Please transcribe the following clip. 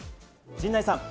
陣内さん。